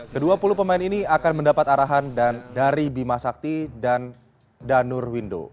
kedua puluh pemain ini akan mendapat arahan dari bima sakti dan danur windo